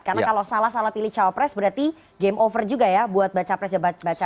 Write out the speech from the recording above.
karena kalau salah salah pilih cawapres berarti game over juga ya buat baca pres dan baca pres ini